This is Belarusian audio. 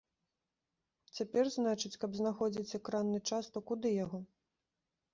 Цяпер, значыць, каб знаходзіць экранны час, то куды яго?